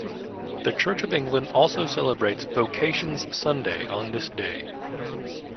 The Church of England also celebrates Vocations Sunday on this day.